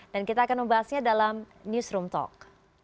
dan kita akan membahasnya dalam newsroom talk